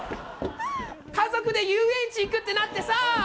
家族で遊園地行くってなってさぁ。